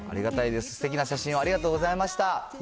すてきな写真をありがとうございました。